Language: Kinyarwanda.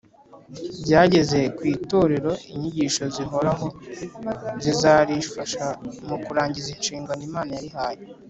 byageza ku itorero inyigisho zihoraho zizarifasha mu kurangiza inshingano Imana yarihaye.